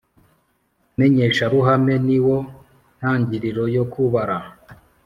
Menyesharuhame ni wo ntangiriro yo kubara